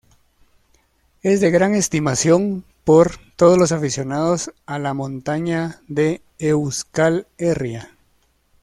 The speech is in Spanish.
Es de gran estimación por todos los aficionados a la montaña de Euskal Herria.